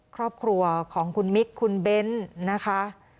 ครอบครัวของคุณมิกคุณเบ้นนะคะ